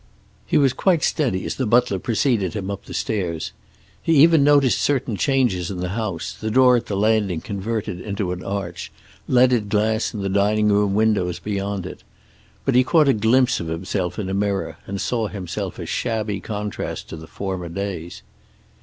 He was quite steady as the butler preceded him up the stairs. He even noticed certain changes in the house, the door at the landing converted into an arch, leaded glass in the dining room windows beyond it. But he caught a glimpse of himself in a mirror, and saw himself a shabby contrast to the former days.